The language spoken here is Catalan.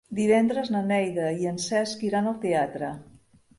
Divendres na Neida i en Cesc iran al teatre.